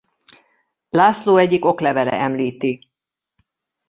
László egyik oklevele említi.